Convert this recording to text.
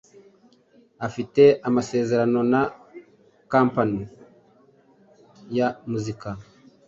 afite amasezerano na kompanyi ya muzika